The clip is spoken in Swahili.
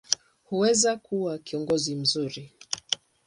hawezi kuwa kiongozi mzuri.